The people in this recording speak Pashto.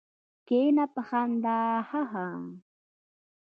کېنه! په خندا هههه.